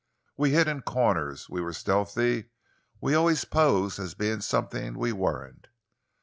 We hid in corners, we were stealthy, we always posed as being something we weren't.